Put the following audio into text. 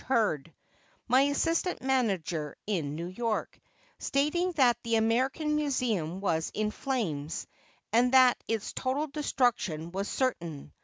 Hurd, my assistant manager in New York, stating that the American Museum was in flames and that its total destruction was certain.